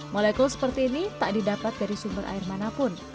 molekul seperti ini tak didapat dari sumber air manapun